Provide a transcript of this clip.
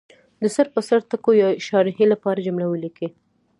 د سر په سر ټکو یا شارحې لپاره جمله ولیکي.